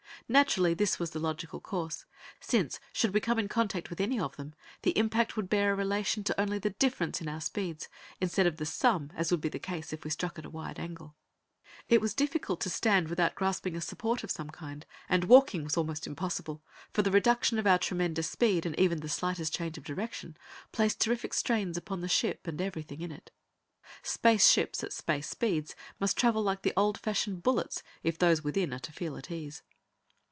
Naturally, this was the logical course, since should we come in contact with any of them, the impact would bear a relation to only the difference in our speeds, instead of the sum, as would be the case if we struck at a wide angle. It was difficult to stand without grasping a support of some kind, and walking was almost impossible, for the reduction of our tremendous speed, and even the slightest change of direction, placed terrific strains upon the ship and everything in it. Space ships, at space speeds, must travel like the old fashioned bullets if those within are to feel at ease.